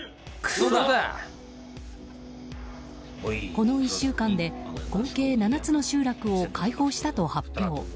この１週間で合計７つの集落を解放したと発表。